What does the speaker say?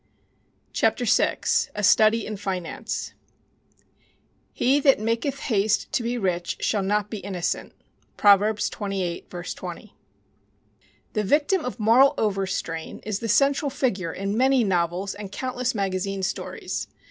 Reader, how say you? VI A Study in Finance "He that maketh haste to be rich shall not be innocent." PROVERBS 28:20. The victim of moral overstrain is the central figure in many novels and countless magazine stories.